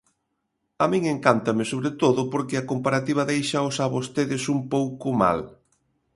A min encántame, sobre todo porque a comparativa déixaos a vostedes un pouco mal.